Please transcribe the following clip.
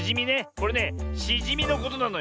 これねしじみのことなのよね。